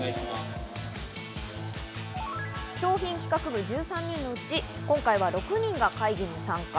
商品企画部１３人のうち、今回は６人が会議に参加。